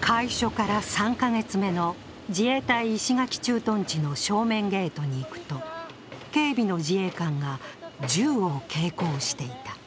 開所から３か月目の自衛隊石垣駐屯地の正面ゲートに行くと警備の自衛官が銃を携行していた。